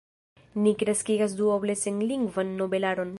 "Ni kreskigas duoble senlingvan nobelaron.